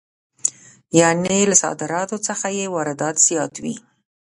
یانې له صادراتو څخه یې واردات زیات وي